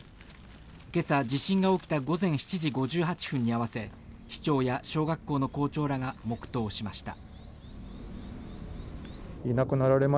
今朝、地震が起きた午前７時５８分に合わせ市長や小学校の校長らが黙祷しました。